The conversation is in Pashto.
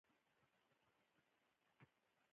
د منځني غوږ د هډوکو په خوځېدو مایع اهتزاز راځي.